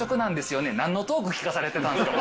何のトーク聞かされてたんですか？